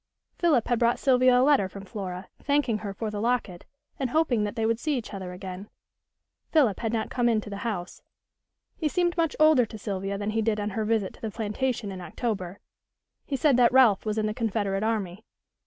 Philip had brought Sylvia a letter from Flora, thanking her for the locket, and hoping that they would see each other again. Philip had not come into the house. He seemed much older to Sylvia than he did on her visit to the plantation in October. He said that Ralph was in the Confederate army.